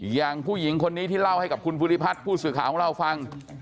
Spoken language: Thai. อย่างผู้หญิงคนนี้ที่เล่าให้กับคุณภูริพัฒน์ผู้สื่อข่าวของเราฟัง